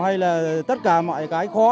hay là tất cả mọi cái khó